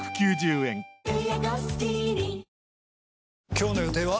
今日の予定は？